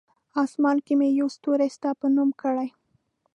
آسمان کې مې یو ستوری ستا په نوم کړی!